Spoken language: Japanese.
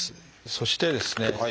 そしてですね